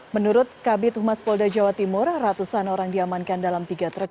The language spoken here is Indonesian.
menurut kabit humas polda jawa timur ratusan orang diamankan dalam tiga truk